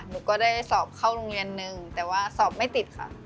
หนูก็ได้สอบเข้าโรงเรียนนึงแต่ว่าสอบไม่ติดค่ะ